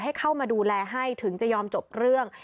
ให้เข้ามาดูแลให้ถึงจะยอมจบเรื่อง